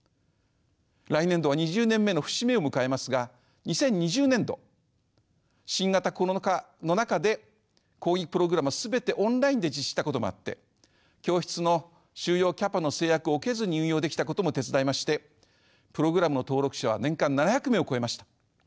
来年度は２０年目の節目を迎えますが２０２０年度新型コロナ禍の中でこういうプログラムは全てオンラインで実施したこともあって教室の収容キャパの制約を受けずに運用できたことも手伝いましてプログラムの登録者は年間７００名を超えました。